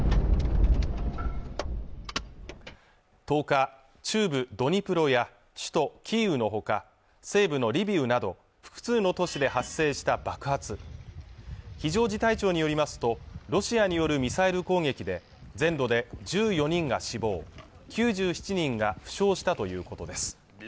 １０日中部ドニプロや首都キーウのほか西部のリビウなど複数の都市で発生した爆発非常事態省によりますとロシアによるミサイル攻撃で全土で１４人が死亡９７人が負傷したということです